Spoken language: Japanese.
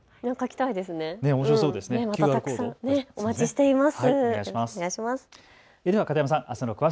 たくさんお待ちしています。